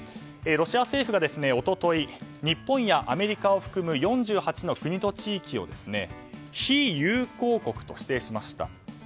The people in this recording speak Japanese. ロシア政府がおととい日本やアメリカを含む４８の国と地域を非友好国と指定しました。